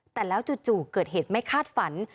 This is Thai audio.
แต่แล้วจู่เกิดเหตุไม่คาดฝัน